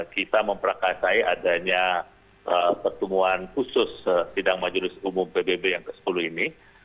kita memperkasai adanya pertemuan khusus sidang majelis umum pbb yang ke sepuluh ini